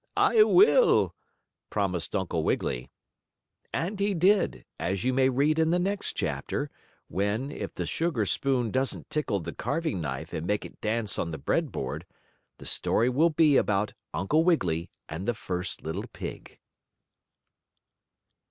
"I will," promised Uncle Wiggily. And he did, as you may read in the next chapter, when, if the sugar spoon doesn't tickle the carving knife and make it dance on the bread board, the story will be about Uncle Wiggily and the first little pig.